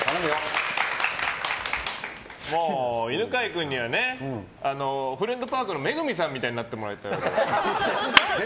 犬飼君には「フレンドパーク」の恵さんみたいになってもらいたい。